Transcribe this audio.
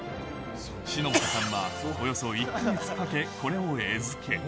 篠本さんはおよそ１か月かけ、これを餌付け。